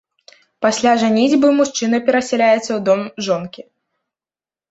Пасля жаніцьбы мужчына перасяляецца ў дом жонкі.